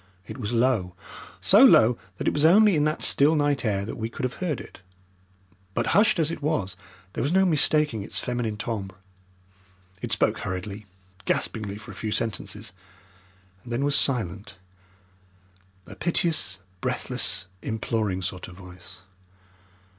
It was low so low that it was only in that still night air that we could have heard it, but, hushed as it was, there was no mistaking its feminine timbre. It spoke hurriedly, gaspingly for a few sentences, and then was silent a piteous, breathless, imploring sort of voice.